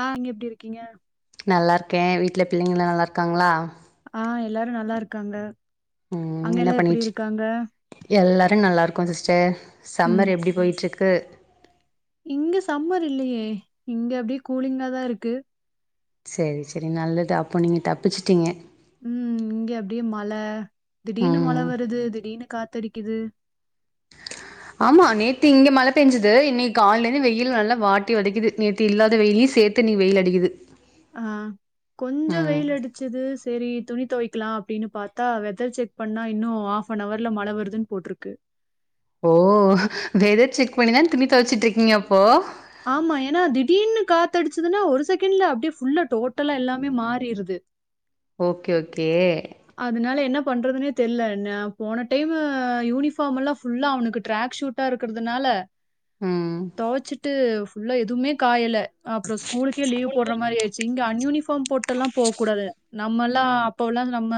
ஆஹ் இங்க எப்டி இருக்கீங்க நல்லாருக்கே வீட்ல பிள்ளைங்களலா நல்லாருக்காங்களா ஆஹ் எல்லாரு நல்லா இருக்காங்க ம் அங்க எல்லா எப்டி இருக்காங்க நல்லாருக்கோ சிஸ்டர் ம் சம்மர் எப்டி போய்ட்டு இருக்கு கு இங்க சம்மர் இல்லியே இங்க அப்டியே கூலிங்கா தா ‌இருக்கு சரி சரி நல்லது அப்போ நீங்க தப்பிச்சுட்டீங்க உம் இங்க அப்டியே மழ திடீர்னு மழை ம் வருது திடீர்னு காத்தடி குது ஆமா நேத்து இங்க மழ பேஞ்சுது இன்னிக்கு காலேந்து வெயில் நல்லா வாட்டி வதைக்குது நேத்து இல்லாத வெயிலயு சேத்து இன்னிக்கு வெயில் அடிக்குது ஆ கொஞ்ஜோ ம் வெயில் அடிச்சது சேரி துணி துவைக்கலா அப்டின்னு பாத்தா வெதர் செக் பண்ணா இன்னு ஹாஃவன் ஹவர்ல மழ வருதுனு போட்டுருக்கு ஓ வெதர் செக் பண்ணி தா துணி துவச்சிட்டு இருக்கீங்க அப்போ ஆமா ஏனா திடீர்னு காத்தடிச்சதுனா ஒரு செக்கண்ட்ல அப்டியே ஃபுல்லா டோட்டலா எல்லாமே மாறிடுது ஓகே ஓகே அதுனால என்ன பண்றதுனே தெரில போன டைம் யூனிஃபார்ம் எல்லாம் ஃபுல்லா அவனுக்கு ட்ராக் ஷூட்டா இருக்குறதுனால ம் துவச்சிட்டு ஃபுல்லா எதுவுமே காயல அப்றோ ஸ்கூலுக்கே லீவ் போடுற மாரி ஆயிருச்சு இங்க அன் யூனிஃபார்ம் ஃபாம் போட்டுலாம் போ கூடாது நம்மலா அப்போலருந்து நம்ம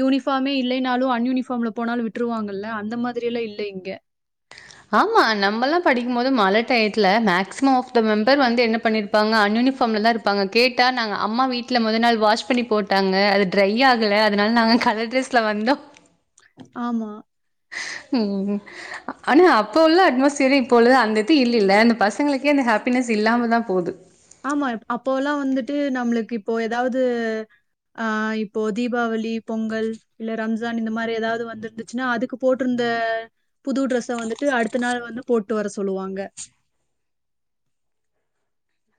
யூனிஃபார்மே இல்லனாலு அன் யூனிஃபார்ம்ல போனாலு விட்டுருவாங்கல்ல அந்த மாரிலா இல்ல இங்க ஆமா நம்பல்லாம் படிக்கு போது மழ டயத்ல மேக்ஸிம ஆஃத மெம்பர் வந்து என்ன பண்ணிருப்பாங்க அன்யூனிபார்ம்ல ‌தா இருப்பாங்க கேட்டா நாங்க அம்மா வீட்ல முதல் நாள் வாஷ் பண்ணி போட்டாங்க அது ட்ரை ஆகல அதனால நாங்க கலர் ட்ரஸ்ல வந்தோ ஆமா உம் ஆனா அப்போ உள்ள அட்மாஸ்பியர் இப்பொழுது அந்த இது இல்லல அந்த பசங்களுக்கே அந்த ஹாப்பினஸ் இல்லாம தா போது ஆமா அப்போல்லா வந்துட்டு நம்முளுக்கு இப்போ எதாவது ஆ இப்போ தீபாவளி பொங்கல் இல்ல ரம்ஜான் இந்த மாரி எதாவது வந்திருந்துச்சுன்னா அதுக்கு போட்டுருந்த புது ட்ரெஸ்ஸ வந்துட்டு அடுத்த நாள் வந்து போட்டு வர சொல்லுவாங்க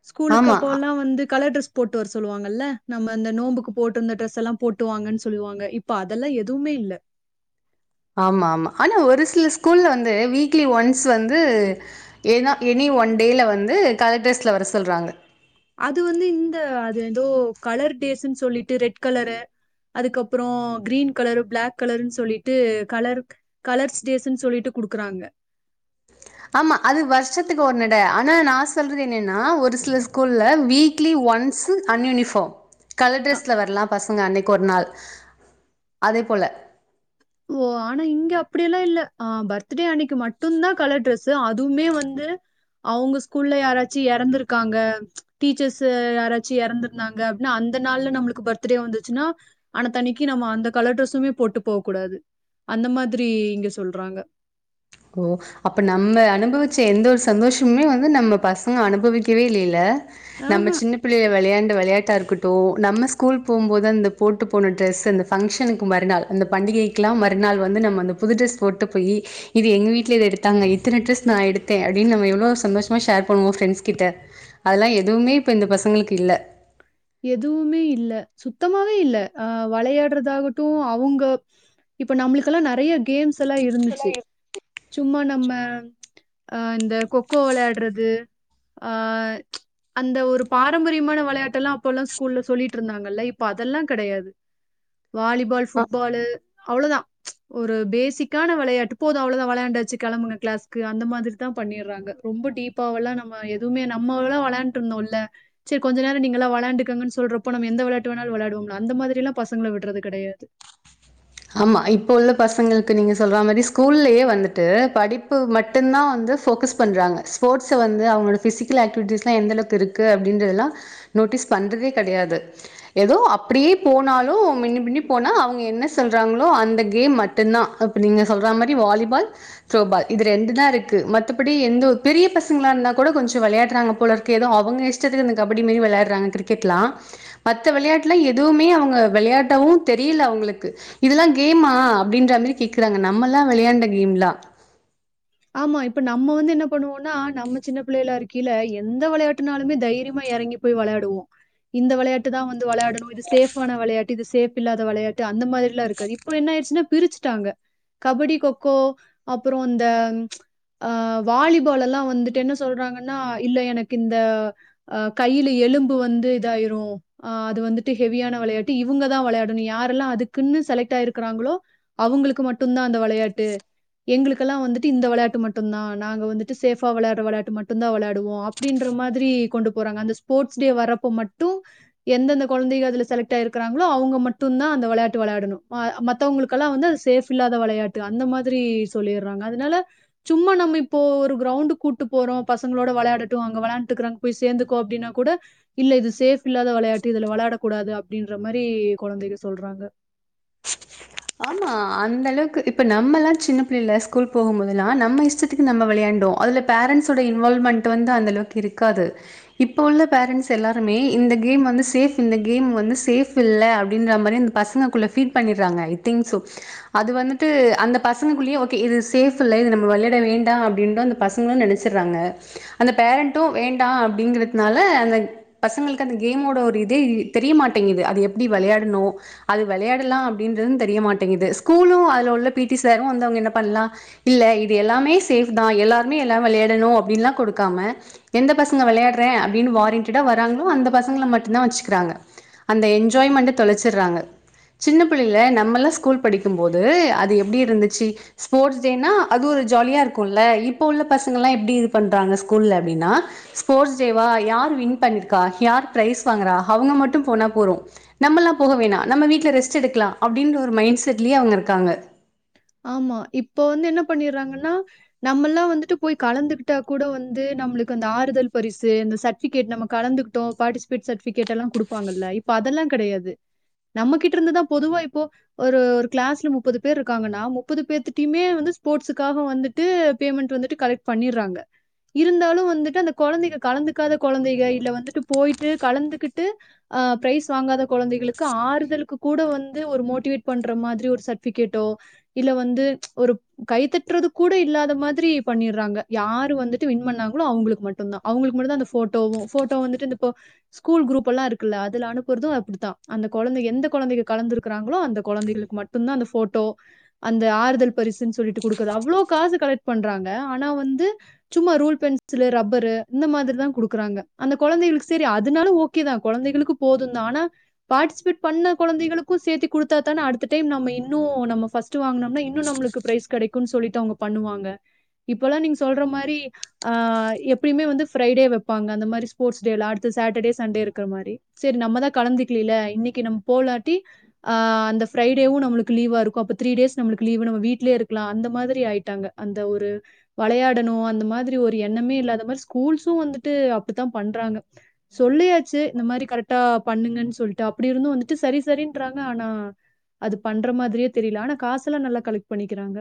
ஸ்கூலுக்கு ஆமா. அ- அப்போல்லா வந்து கலர் டிரெஸ் போட்டு வர சொல்லுவாங்கல்ல நம்ம இந்த நோம்புக்கு போட்டுருந்த ட்ரெஸ் எல்லா போட்டுவாங்கன்னு சொல்லுவாங்க இப்ப அதெல்லா எதுவுமே இல்ல ஆமா ஆமா ஆனா ஒரு சில ஸ்கூல்ல வந்து வீக்லி ஒன்ஸ் வந்து என எனி ஒன் டேல வந்து கலர்டர்ஸ்ல வர சொல்றாங்க அது வந்து இந்த அது ஏதோ கலர் டேஸ்ட்னு சொல்லிட்டு ரெட் கலரு அதுக்கப்புறோ கிரீன் கலரு பிளாக் கலருனு சொல்லிட்டு கலர் கலர்ஸ் ஸ்டேஸ்னு சொல்லிட்டு குடுக்குறாங்க ஆமா அது வருஷத்துக்கு ஒரு தடவ ஆனா நா சொல்றது என்னனா ஒரு சில ஸ்கூல்ல வீக்லி ஒன்ஸ் அன்யூனிஃபார்ம் கலர் டிரெஸ்ல வரலாம் பஸ் அன்னைக்கு ஒரு நாள் அதே போல ஓ ஆனா இங்க அப்டியெல்லா இல்ல ஆ துடே அன்னைக்கு மட்டு தா கலர் டிரெஸ் ச்சு அதுவுமே வந்து அவுங்க ஸ்கூல்ல யாராச்சு எறந்திருக்காங்க டீச்சர்ஸ்ஸு யாராச்சு எறந்துருந்தாங்க அப்டின்னா அந்த நாள்ல நம்முளுக்கு பர்த்டே வந்துச்சுன்னா அனத்தனிக்கு நம்ம அந்தக் கலர் ட்ரெஸுமே போட்டு போ கூடாது அந்த மாதிரி இங்க சொல்றாங்க ஓ அப்ப நம்ம அனுபவிச்ச எந்த ஒரு சந்தோஷமுமே வந்து நம்ம பசங்க அனுபவிக்கவே இல்லல ஆஹ நம்ம சின்ன பிள்ளைய வெளையாண்ட வெளையாட் டா இருக்கட்டு நம்ம ஸ்கூல் போம் போது அந்த போட்டு போன டிரெஸ் அந்த ஃபங்ஷனுக்கு மறுநாள் அந்த பண்டிகைக்கு எல்லா மறுநாள் வந்து நம்ம அந்த புது டிரஸ் போட்டு போய் இது எங்க வீட்ல இத எடுத்தாங்க இத்தன ட்ரெஸ் நா எடுத்தே அப்டின்னு நம்ம எவ்ளோ சந்தோஷமா ஷேர் பண்ணுவோ ஃப்ரெண்ட்ஸ் கிட்ட அதெல்லா எதுவுமே இப்போ இந்த பசங்களுக்கு இல்ல எதுவுமே இல்ல சுத்தமாவே இல்ல அ வளையாடுறதாகட்டுமக்ஷ அவுங்க இப்ப நம்ளுக்கெல்லா நறைய கேம்ஸ் எல்லா இருந்துச்சு சும்மா நம்ம அ இந்த கொக்கோ வெளையாடுறது அ அந்த ஒரு பாரம்பரியமான வெளையாட்டெல்லா அப்போலா ஸ்கூல்ல சொல்லிட்டு இருந்தாங்கல்ல இப்ப அதெல்லா கெடையாது வாலிபால் ஆ. ஃபுட்பாலு அவ்வளோ தா ஒரு பேசிக்கான வெளையாட்டு போது அவ்ளோ தா வெளயாண்டாச்சு கெளம்புங்க கிளாஸ்கு அந்த மாதிரி தா பண்ணிடுறாங்க ரொம்ப டீப்பாவலா நாம எதுவுமே நம்மலா வெளையாண்ட்ருந்தோல சரி கொஞ்ச நேரோ நீங்களா வ ளாண்டுக்கங்கன்னு சொல்றப்போ நம்ம எந்த வெளயாட்டு வேணாலொ வெளயாடுவோம்லா அந்த மாதிரிலா பசங்கள விடுறது கெடையாது ஆமா இப்போ உள்ள பசங்களுக்கு நீங்க சொல்ற மாறி ஸ்கூல்லயே வந்துட்டு படிப்பு மட்டுதா வந்து ஃபோக்கஸ் பண்றாங்க ஸ்போர்ட்ஸ்ஸ வந்து அவங்களோட ஃபிசிக்கல் ஆக்டிவிட்டிஸ்லா எந்த அளவுக்கு இருக்கு அப்டின்ற எல்லா நோட்டீஸ் பண்றதே கெடையாது ஏதோ அப்டியே போனாலு மின்னி மின்னி போனா அவங்க என்ன சொல்றாகளோ அந்த கேம் மட்டுனா அப்ப நீங்க சொல்ற மாறி வாலிபால் த்ரோபால் இது ரெண்டுதா இருக்கு மத்தபடி எந்த ஒ பெரிய பசங்களா இருந்தா கூட கொஞ்சோ வெளையாடுராங்க போல இருக்கு ஏதோ அவங்க இஷ்டத்துக்கு இந்த கபடி மாறி வெளையாடுறாங்க கிரிக்கெட்லா மத்த வெளையாட்ல எதுவுமே அவங்க வெளையாடவு தெரியல அவங்களுக் க்கு இதெல்லா கேமா அப்டின்ற மாறி கேக்குறாங்க நம்ம எல்லா வெளையாண்ட கேம்லா அமா இப்ப நம்ம வந்து என்ன பண்ணுவோனா நம்ம சின்ன பிள்ளைல இருக்கில எந்த வெளையாட்டுனாலுமே தைரியமா எறங்கி போய் வெளையாடுவோ இந்த வெளையாட்டு தா வந்து வெளையாடணு இது சேஃபான வெளையாட்டு இது சேஃப் இல்லாத வெளையாட்டு அந்த மாறில்லா இருக்காது இப்ப என்ன ஆயிடுச்சுன்னா பிரிச்சிட்டாங்க கபடி கொக்கோ அப்ரோ இந்த ஆ வாலிபால் எல்லா வந்துட்டு என்ன சொல்றாங்கன்னா இல்ல எனக்கு இந்த அ கையில எலும்பு வந்து இதாயிரு ஆ அது வந்துட்டு ஹெவியான வெளையாட்டு இவங்கதா வெளையாடணு யாரெல்லா அதுக்குன்னு செலக்ட் ஆயிருக்கிறாங்களோ அவங்களுக்கு மட்டுதா அந்த வெளையாட்டு எங்களுக்கெல்லா வந்துட் இந்த விளையாட்டு மட்டுதா நாங்க வந்துட்டு சேஃபா வெளையடுற வெளையாட்டு மட்டுதா வெளையாடுவோ அப்டின்ற மாறி கொண்டு போறாங்க அந்த ஸ்போர்ட்ஸ் டே வரப்போ மட்டு எந்தெந்த கொழந்தைங்க அதுல செலக்ட் ஆயிருக்காங்களோ அவங்க மட்டுதா அந்த வெளையாட்டு வெளையாடனு மா மத்தவங்களுக்கெல்லா வந்து அது சேஃப் இல்லாத வெளையாட்டு அந்த மாதிரி சொல்லிடுறாங்க அதனால சும்மா நம்ம இப்போ ஒரு கிரௌண்டு கூட்டு போறோ பசங்களோட வெளயாடட்டு அங்க வெளாண்டு இருக்குறாங்க போய் சேர்ந்துக்கோ அப்டின்னா கூட இல்ல இது சேஃப் இல்லாத வெளையாட்டு இதுல வெளாடக் கூடாது அப்டின்ற மாறி கொழந்தைங்க சொல்றாங்க ஆமா அந்த அளவுக்கு இப்ப நம்மலா சின்ன பிள்ளைல ஸ்கூல் போகும்போதெல்லா நம்ம இஷ்டத்துக்கு நம்ம வெளையாண்டோ அதுல பேரன்ட்ஸ் ஒட இன்வால்வ்மெண்ட் வந்து அந்த அளவுக்கு இருக்காது இப்ப உள்ள பேரண்ட்ஸ் எல்லாருமே இந்த கேம் வந்து சேஃப் இந்த வந்து சேஃப் இல்ல அப்டின்ற மாறி அந்த பசங்களுக்குள்ள ஃபீட் பண்ணிராங்க ஐதிங் சோ அது வந்துடு அந்த பசங்களுக்குள்ளேயே ஓகே இது சேஃப் இல்ல இது நம்ம வெளையாட வேண்டா அப்டின்டு அந்த பசங்க நெனைச்சிராங்க அந்த பேரன்ட்டு வேண்டா அப்டிங்கிறத்னால அந்த பசங்களுக்கு அந்த கேம் ஓட ஒரு இதே இ தெரிய மாட்டேங்குது அது எப்டி வெளையாடனோ அது வெளையாட் இல்லா அப்டின்றதுன் தெரிய மாட்டேங்குது ஸ்கூலு அதுல உள்ள பிடி சாரு வந்து அவங்க என்ன பண்லா இல்ல இது எல்லாமே சேஃப் தா எல்லாருமே எல்லா வெளயாடனு அப்டின்லா கொடுக்காம எந்த பசங்க வெளயாடுற அப்டின் வாரண்டட்டா வராங்களோ அந்த பசங்கள மட்டு தா வச்சுகுறாங்க அந்த என்ஜாய்மன்ட்ட தொலச்சுறாங்க சின்ன பிள்ளைல நம்மல்ல ஸ்கூல் படிக்கும் போது அது எப்டி இருந்துச்சி ஸ்போர்ட்ஸ் டேனா அது ஒரு ஜாலியா இருக்குல்ல இப்போ உள்ள பசங்கல்லா எப்டி இது பண்றாங்க ஸ்கூல்ல அப்டின்னா ஸ்போர்ட்ஸ் டேவா யார் வின் பண்ணிருக்கா யார் பிரைஸ் வாங்குறா அவங்க மட்டு போனா போதோ நம்மல்லா போக வேணா நம்ம வீட்ல ரெஸ் ஸ்ட் எடுக்கலா அப்டின்னு ஒரு மைண்ட் செட்லியே அவங்க இருக்காங்க ஆமா இப்பொ வந்து என்ன பண்ணிறாங்கன்னா நம்மல்லா வந்துட்டு போய் கலந்துகிட்டா கூட வந்து நம்மளுக்கு அந்த ஆறுதல் பரிசு இந்த சர்டிஃபிகேட் நம்ம கலந்துகிட்டோ பார்டிசிபேட் சட்ஃபிகேட் எல்லா குடுப்பாங்கல்ல இப்ப அதெல்லா கெடையாது நம்மகிட்ட இருந்துதா பொதுவா இப்போ ஒரு ஒரு கிளாஸ்ல முப்பது பேர் இருக்காங்கனா முப்பது பேத்திட்டிமே வந்து ஸ்போர்ட்ஸ்க்காக வந்துட்டு பேமெண்ட் வந்துடு கலெக்ட் பண்ணிறாங்க இருந்தாலு வந்துட்டு அந்த கொழந்தைங்க கலந்துக்காத கொழந்தைக இல்ல வந்துட்டு போயிட்டு கலந்துகிட்டு அ பிரைஸ் வாங்காத கொழந்தைகளுக்கு ஆறுதலுக்கு கூட வந்து ஒரு மோட்டிவேட் பண்ற மாதிரி ஒரு சர்டிஃபிகேட்டோ இல்ல வந்து ஒரு கைதட்டுறது கூட இல்லாத மாதிரி பண்ணிட்றாங்க யாரு வந்துட்டு வின் பண்ணாங்களோ அவங்களுக்கு மட்டுதா அவங்களுக்கு மட்டுதா அந்த ஃபோட்டோவு ஃபோட்டோ வந்துட்டு இந்த இப்போ ஸ்கூல் குரூப் எல்லா இருக்குல்ல அதுல அனுப்புறதோ அப்டித்தா அந்த கொழந்த எந்த கொழந்தைக கலந்துருக்கறாங்களோ அந்த கொழந்தைகளுக்கு மட்டுதா அந்த ஃபோட்டோ அந்த ஆறுதல் பரிசுன்னு சொல்லிட்டு குடுக்குற அவ்ளோ காசு கலெக்ட் பண்றாங்க ஆனா வந்து சும்மா ரூல் பென்சிலு ரப்பரு இந்த மாதிரிதா குடுக்குறாங்க அந்த கொழந்தைகளுக்கு செரி அதனாலு ஓகேதா கொழந்தைகளுக்கு போதுதா ஆனா பார்ட்டிசிபேட் பண்ண கொழந்தைளுக்கு சேத்து குடுத்தா தான அடுத்த டைம் நம்ம இன்னு நம்ம ஃபஸ் டுவாங்க்னோம்னா இன்னு நம்மளுக்கு ப்ரைஸ் கெடைக்கு சொல்லிட்டு அவுங்க பண்ணுவாங்க இப்பல்லா நீங்க சொல்ற மாறி அ எப்பயுமே வந்து ஃப்ரைடே வெப்பாங்க அந்த மாறி ஸ்போஸ்டேலா அடுத்து சட்டடே சண்டே இருக்கமாறி சேரி நம்ம தா கலந்துகில்லேல இன்னைக்கு நம்ம போலாடி ஆ அந்த ஃப்ரைடேவு நம்மளுக்கு லீவா இருக்கு அப்பத் டேஸ் நம்மளுக்கு லீவு நம்ம வீட்லயே இருக்கலா அந்த மாறி ஆயிட்டாங்க அந்த ஒரு வளையாடணு அந்த மாதிரி ஒரு எண்ணமே இல்லாத மாறி ஸ்கூல்ஸு வந்துட்டு அப்டித்தா பண்றாங்க சொல்லியாச்சி இந்த மாறி கரெடா பண்ணுங்கன்னு சொல்லிட்டு அப்டி இருந்து வந்துட்டு சரி சரின்றாங்க ஆனா அது பண்ற மாதிரியேத் தெரில ஆனா காசெல்லா நல்லா கலெக்ட் பண்ணிக்கிறாங்க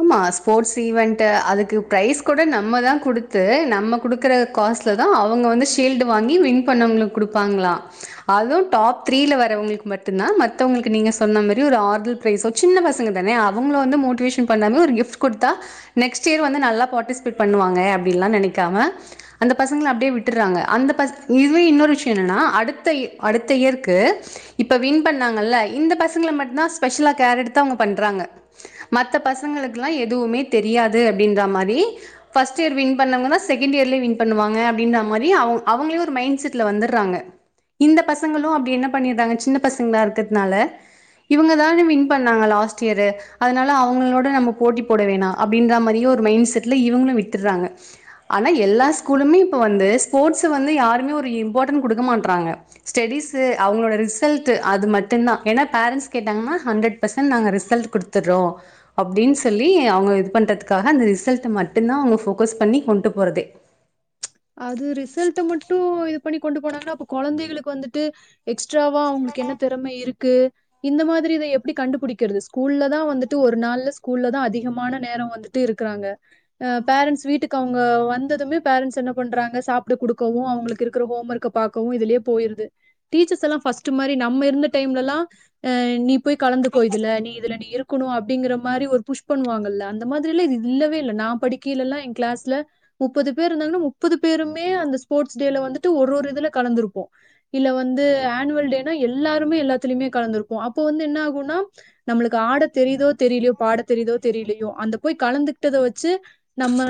ஆமா ஸ்போட்ஸ் ஈவன்டு அதுக்கு பிரைஸ் கூட நம்ம தா குடுத்து நம்ம குடுக்கற காஸ்லதா அவங்க வந்து ஷீல்டு வாங்கி வின் பண்ணவங்களுக்குடுப்பாங்களா அதும் டாப் த்ரீல வரவங்களுக்கு மட்டுதா மத்தவங்களுக்கு நீங்க சொன்ன மரி ஒரு ஆர்தல் ஃப்ரைஸோ சின்ன பசங்கதானே அவங்கள வந்து மோட் டிவேஷன் பண்ணாம ஒரு கிஃப்ட் குடுத்தா நெக்ஸ்ட் இயர் வந்து நல்லா பார்ட்டிஸ்பேட் பண்ணுவாங்க அப்டில்லா நெனைக்காம அந்த பசங்கள அப்டே விட்டுறாங்க அந்த பச் இதுவே இன்னொரு விஷ்யோ என்னனா அடுத்த இய இயர்க்கு இப்ப வின் பண்ணாங்கல இந்த பசங்கல மட்டுதா ஸ்பெஷலா கேர் எடுத்து அவங்க பண்றாங்க மத்த பசங்களுக்குல்லா எதுவுமே தெரியாது அப்டின்ற மாறி ஃபர்ஸ்ட் இயர் வின் பண்ணவங்கதா செகண்ட் இயர்லயே வின் பண்ணுவாங்க அப்டின்ன மாறி அவுங் அவங்களே ஒரு மைன் செட்ல வந்துடுறாங்க இந்த பசங்களு அப்டி என்ன பண்ணிறாங்க சின்ன பசங்களா இருக்கிறதுனால இவங்கதான வின் பண்ணாங்க லாஸ்ட் இயர் அதனால அவங்களோட நம்ம போட்டி போட வேணா அப்டின்ற மாதிரியு ஒரு மைண்ட் செட்ல இவங்களு விட்டுறாங்க ஆனா எல்லா ஸ்கூலுமே இப்பொ வந்து ஸ்போர்ட்ஸ்ஸ வந்து யாருமே ஒரு இம்போடன் குடுக்க மாட்றாங்க ஸ்டெஸீஸு அவங்களோட ரிசல்டு அது மட்டுதானா என்ன பேரன்ஸ் கேட்டாங்கன்னா ஹன்றட் பர்சென்ட் நாங்க ரிசல்ட் குடுத்துட்றோ அப்டின்னு சொல்லி அவங்க இது பண்றதுக்காக அந்த ரிசல்ட் மட்டுதா அவங்க ஃபோக்கஸ் பண்ணி கொண்டு போறதே அது ரிசல்ட் மட்டு இதுப் பண்ணி கொண்டு போனாங்கனா அப்போ கொழந்தைகளுக்கு வந்துட்டு எக்ஸ் ட்ராவா அவங்களுக்கு என்ன தெறம இருக் க்கு இந்த மாதிரி இத எப்டி கண்டுபுடிக்கிறது ஸ்கூல்ல தா வந்துட்டு ஒரு நாள்ல ஸ்கூல்லதா அதிகமான நேரோ வந்துட்டு இருக்குறாங்க அ பேரன்ஸ்ட் வீட்டுக்கு அவங்க வந்ததுமே பேரன்ஸ் என்ன பண்றாங்க சாப்ட குடுக்கவு அவங்களுக்கு இருக்குற ஹோம் ஒர்க்க பாக்கவு இதுலே போயிற்து டீச்சர்ஸ் எல்லா ஃபர்ஸ்ட் மாறி நம்ம இருந்த டைம்லலா ஆ நீ போய் கலந்துக்கோ இதுல நீ இதுல இப்டி இருக்குனு அப்டிங்கற மாறி ஒரு புஷ் பண்ணுவாங்கல்ல அந்த மாதிரிலா இதுல்ல இல்லவே இல்ல நா படிக்கிலல்லா எ கிளாஸ்ல முப்பது பேர் இருந்தாங்கன்னா முப் பது பேருமே அந்த ஸ்போர்ட்ஸ் டேல வந்துட்டு ஒரு ஒரு இதுல கலந்திருப்போ இல்ல வந்து ஆனுவல் டேனா எல்லாருமே எல்லாத்துலயுமே கலந்திருப்போ அப்போ வந்து என்ன ஆகுனா நம்மளுக்கு ஆட தெரியுதோ தெரியிலயோ பாட தெரியுதோ தெரில்லயோ அந்த போய் கலந்துகிட்டத வச்சு நம்ம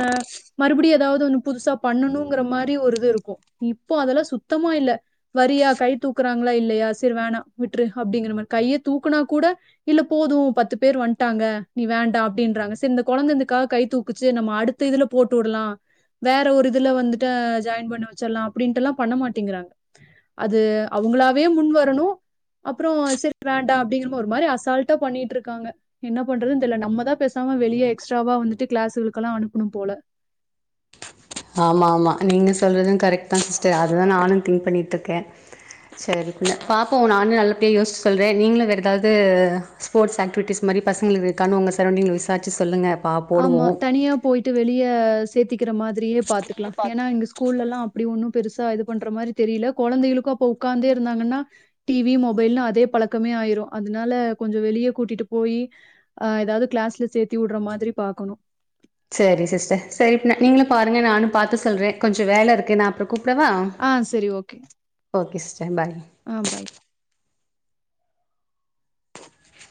மறுபுடியு எதாவது ஒன்னு புதுசாப் பண்ணனுங்குற மாரி ஒரு இது இருக்கு இப்போ அதெல்லா சுத்தமா இல்ல வரியா கை தூக்குறாங்களா இல்லையா சேரி வேணா விட்ரு அப்டிங்குற மாரி கையே தூக்குனா கூட இல்ல போதும் பத்து பேர் வந்டாங்க நீ வேண்டா அப்டின்றாங்க சேர் இந்த கொழந்த இந்தக்காக கை தூக்குச்சே நம்ம அடுத்த இதுல போட்டு உடலா வேற ஒரு இத் துல வந்துட்டு ஜாயின் பண்ண வச்சிர்ல்லா அப்புடின்ட்டல்லா பண்ண மாட்டிங்குறாங்க அது அவங்களாவே முன் வரணு அப்புறோ செரி வேண்டா அப்டிங்கிற மோ ஒரு மாரி அசால்டா பண்ணிட்ருக்காங்க இன்ன பண்றதுன் தெர்ல நம்மதா பேசாம வெளியே எக்ஸ்ட்ராவா வந்துட்டு கிளாஸ்ஸுகுளுக்கல்லா அனுப்புனும் போல ஆமா ஆமா நீங்க சொல்றதும் கரெக்ட் தா சிஸ்டர் அதுதா நானு திங்க் பண்ணிட்ருக்க சேரி புள்ள பாப்போ நானு நல்லபடியா யோசிச்சு சொல்றே நீங்களும் வேறு ஏதாவது ஸ்போர்ட்ஸ் ஆக்டிவிட்டிஸ் மாரி பசங்குளுது இருக்கான்னு உங்க சரோன்டிங்ல விசார்ச்சி சொல்லுங்க பா போடுவோ ஆமா தனியா போயிட்டு வெளியஸ் க்கிற மாதிரியே பாத்துக்கிலா ஏன்னா எங்க ஸ்கூலெல்லாம் அப்டி ஒன்னு பெருசா இது பண்ற மாதிரி தெரியல குழந்தைகளுக்கு அப்போ உட்காந்தே இருந்தாங்கன்னா டிவி மொபைல்னு அதே பழக்கமே ஆயிரு அதுனால கொஞ்சோ வெளியே கூட்டிட்டு போய் அ ஏதாவது கிளாஸ்ல சேத்தி உடுற மாதிரி பாக்கணும் சரி சிஸ்டர் சரி இப்ப நான் நீங்களும் பாருங்க நானும் பாத்து சொல்றேன் கொஞ்சம் வேலை இருக்கு நான் அப்புறம் கூ கூப்பிடவா ஆ சரி, ஓகே. ஓகே சிஸ்டர் பை ஆ பை.